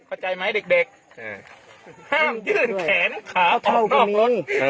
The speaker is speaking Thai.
เข้าใจไหมเด็กห้ามยื่นแขนขาวท่องลง